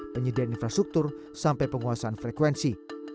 penyediaan infrastruktur sampai penguasaan frekuensi